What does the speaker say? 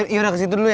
yora kesitu dulu ya